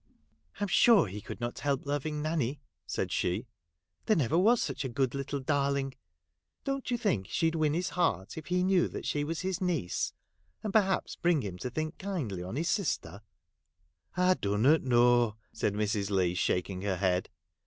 ' I 'm sure he could not help loving Nanny,' said she. ' There never was such a good little darling ; don't you think she 'd win his heart if he knew she was his niece, and perhaps bring him to think kindly on his sister 1 '' I dunnot know,' said Mrs. Leigh, shaking her head.